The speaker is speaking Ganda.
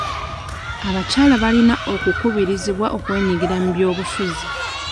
Abakyala balina okukubirizibwa okwenyigira mu by'obufuzi.